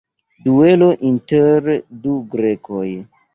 Duelo inter du grekoj.